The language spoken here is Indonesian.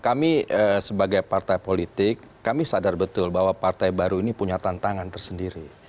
kami sebagai partai politik kami sadar betul bahwa partai baru ini punya tantangan tersendiri